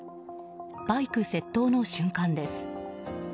バイク窃盗の瞬間です。